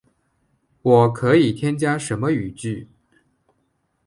我可以添加什么语句？